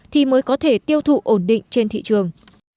thì mới có thể tiêu thụ ổn định trên thị trường